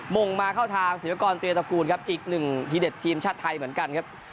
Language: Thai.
งงมาเข้าทางศิลกรเตรียตระกูลครับอีกหนึ่งทีเด็ดทีมชาติไทยเหมือนกันครับ